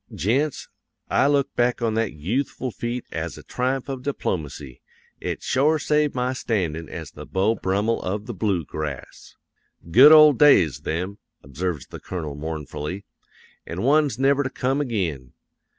Gents, I look back on that yoothful feat as a triumph of diplomacy; it shore saved my standin' as the Beau Brummel of the Bloo Grass. "'Good old days, them!' observes the Colonel mournfully, 'an' ones never to come ag'in!